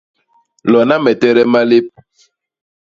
Lona me tede malép.